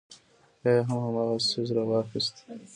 بيا يې هم هماغه څيز راواخيست.